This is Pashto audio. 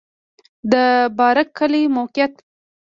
د بارک کلی موقعیت